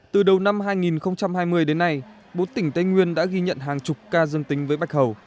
từ đầu năm hai nghìn hai mươi đến nay bốn tỉnh tây nguyên đã ghi nhận hàng chục ca dân tính với bạch hầu